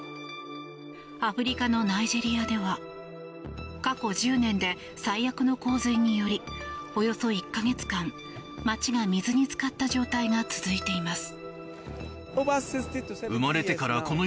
アフリカのナイジェリアでは過去１０年で最悪の洪水によりおよそ１か月間街が水に浸かった状態が続いています。